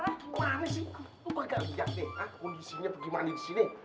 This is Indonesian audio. maaf sih lu kagak lihat deh kondisinya pergi mandi disini